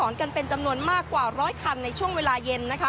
กันเป็นจำนวนมากกว่าร้อยคันในช่วงเวลาเย็นนะคะ